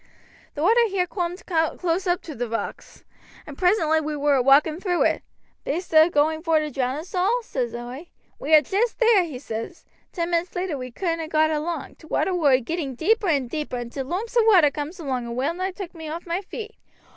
"The water here coombed close oop to t' rocks, and presently we war a walking through it. 'Be'st a going vor to drown us all?' says oi. 'We are jest there,' says he. 'Ten minutes later we couldn't ha' got along.' T' water war a getting deeper and deeper, and t' loomps of water cooms along and well nigh took me off my feet.